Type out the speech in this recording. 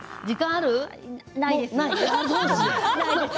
時間ある？